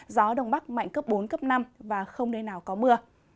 gió đông bắc mạnh cấp bốn cấp năm và không nơi nào có mưa